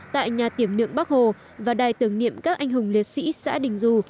tại nhà tiểm nượng bắc hồ và đài tưởng niệm các anh hùng liệt sĩ xã đình dù